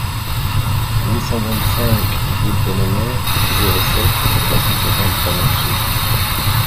huit cent vingt-cinq route d'Annonay, zéro sept, trois cent quarante Talencieux